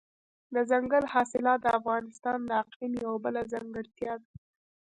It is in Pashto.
دځنګل حاصلات د افغانستان د اقلیم یوه بله ځانګړتیا ده.